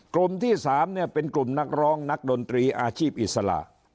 กลุ่มที่๓เป็นกลุ่มนักร้องนักดนตรีอาชีพอิสระ